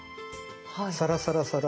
サラサラサラ。